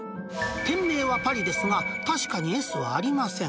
店名はパリですが、確かにＳはありません。